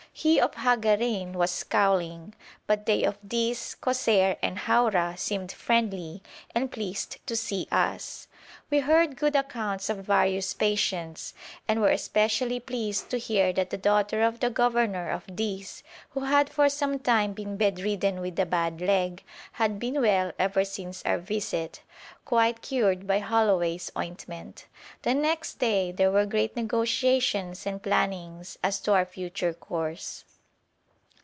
He of Hagarein was scowling, but they of Dis, Kosseir, and Haura seemed friendly and pleased to see us. We heard good accounts of various patients, and were especially pleased to hear that the daughter of the governor of Dis, who had for some time been bedridden with a bad leg, had been well ever since our visit quite cured by Holloway's ointment. The next day there were great negotiations and plannings as to our future course.